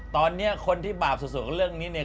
ตอนนี้คนที่บาปสุดเรื่องนี้เนี่ย